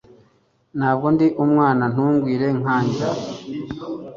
Ntabwo ndi umwana. Ntumbwire nkanjy